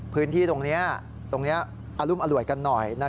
พื้นที่ตรงนี้ตรงนี้อรุมอร่วยกันหน่อย